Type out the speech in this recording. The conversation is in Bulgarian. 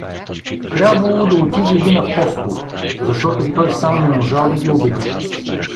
трябвало да отиде един апостол, защото той сам не можал да ги убеди.